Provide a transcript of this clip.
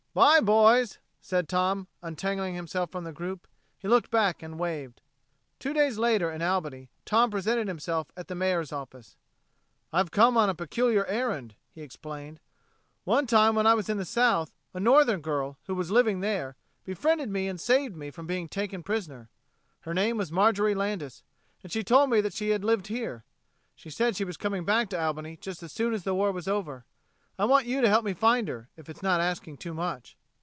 "'By, boys," said Tom, untangling, himself from the group. He looked back and waved. Two days later in Albany Tom presented himself at the Mayor's office. "I've come on a peculiar errand," he explained. "One time when I was in the South, a Northern girl, who was living there, befriended me and saved me from being taken prisoner. Her name was Marjorie Landis, and she told me that she had lived here. She said she was coming back to Albany just as soon as the war was over. I want you to help me find her, if it's not asking too much."